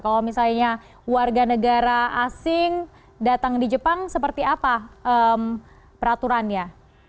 kalau misalnya warga negara asing datang di jepang seperti apa peraturannya